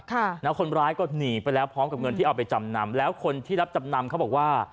ค่ะแล้วคนร้ายก็หนีไปแล้วพร้อมกับเงินที่เอาไปจำนำแล้วคนที่รับจำนำเขาบอกว่า